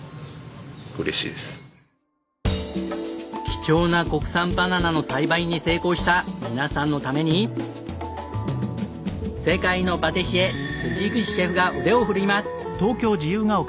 貴重な国産バナナの栽培に成功した皆さんのために世界のパティシエ口シェフが腕を振るいます。